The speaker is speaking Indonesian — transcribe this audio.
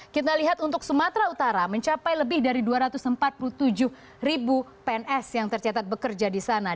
kita lihat untuk sumatera utara mencapai lebih dari dua ratus empat puluh tujuh ribu pns yang tercatat bekerja di sana